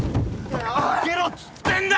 開けろっつってんだ！